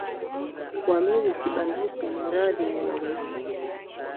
Wa mimi sibanduki, ni radhi nilaumiwe.